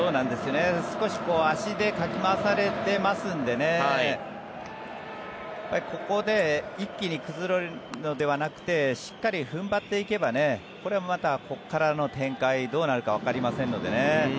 少し足でかき回されてますのでここで一気に崩れるのではなくてしっかり踏ん張っていけばこれはまた、ここからの展開どうなるかわかりませんのでね。